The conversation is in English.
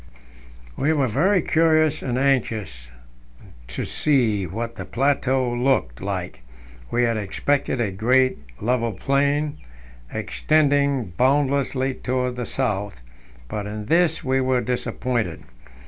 We were very curious and anxious to see what the plateau looked. like. We had expected a great, level plain, extending boundlessly towards the south; but in this we were disappointed.